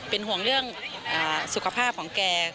เป็นห่วงเรื่องสุขภาพของแก